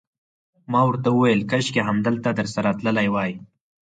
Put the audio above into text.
ما ورته وویل: کاشکي همالته درسره تللی وای.